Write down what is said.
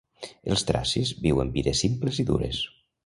Els tracis vivien vides simples i dures.